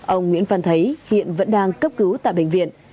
ông nguyễn văn thấy hiện vẫn đang cấp cứu tại bệnh viện